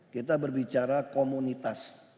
kita berbicara komunitas